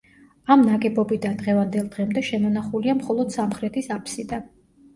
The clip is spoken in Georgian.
ამ ნაგებობიდან დღევანდელ დღემდე შემონახულია მხოლოდ სამხრეთის აფსიდა.